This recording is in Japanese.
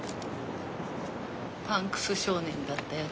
パンクス少年だったよね。